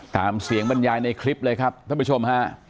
ตามเสียงบรรยายในคลิปเลยครับท่านผู้ชมฮะ